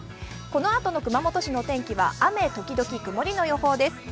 このあとの熊本市の天気は雨時々曇りの予想です。